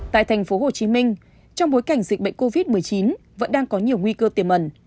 tại thành phố hồ chí minh trong bối cảnh dịch bệnh covid một mươi chín vẫn đang có nhiều nguy cơ tiềm ẩn